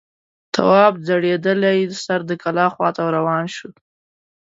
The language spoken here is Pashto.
تواب ځړېدلی سر د کلا خواته روان شو.